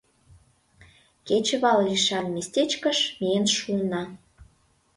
Кечывал лишан местечкыш миен шуынна.